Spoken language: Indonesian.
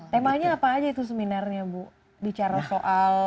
temanya apa aja itu seminarnya bu bicara soal